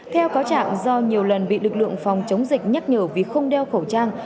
theo cáo trạng do nhiều lần bị lực lượng phòng chống dịch nhắc nhở vì không đeo khẩu trang